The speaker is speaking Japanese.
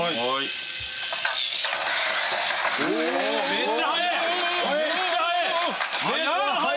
めっちゃ速い！